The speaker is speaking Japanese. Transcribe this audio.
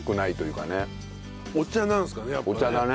お茶なんですかね？